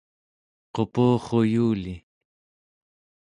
qupurruyuli